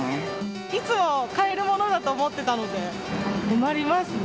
いつも買えるものだと思ってたので、困りますね。